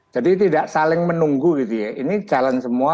jadi tidak saling menunggu ini jalan semua